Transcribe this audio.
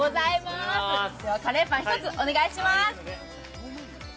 カレーパン１つお願いします。